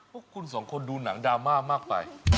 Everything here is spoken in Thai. พวกคุณสองคนดูหนังดราม่ามากไป